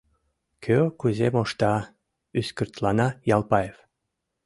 — Кӧ кузе мошта... — ӱскыртлана Ялпаев.